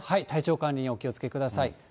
体調管理にお気をつけください。